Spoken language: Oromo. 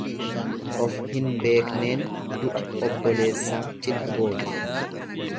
Ofhin beekneen du'a obboleessaa cidha gooti.